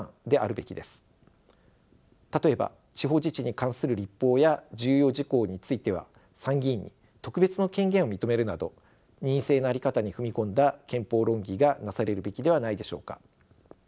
例えば地方自治に関する立法や重要事項については参議院に特別の権限を認めるなど二院制の在り方に踏み込んだ憲法論議がなされるべきではないでしょうか。